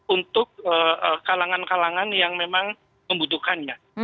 untuk kalangan kalangan yang memang membutuhkannya